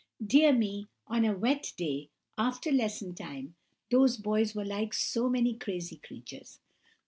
Dear me, on a wet day, after lesson time, those boys were like so many crazy creatures.